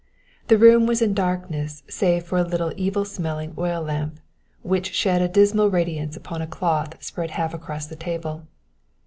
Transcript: The room was in darkness save for a little evil smelling oil lamp which shed a dismal radiance upon a cloth spread half across the table.